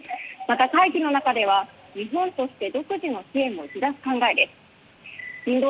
また、会議の中では日本として独自の支援を打ち出す考えです。